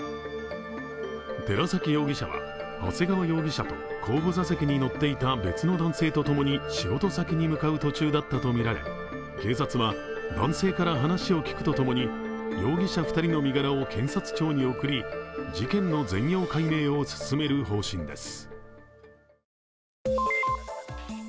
寺崎容疑者は、長谷川容疑者と後部座席に乗っていた別の男性とともに仕事先に向かう途中だったとみられ警察は男性から話を聞くとともに容疑者２人の身柄を検察庁に送り、事件の全容解明を進める方針です。